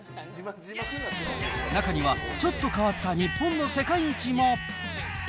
中にはちょっと変わった日本の世界一も。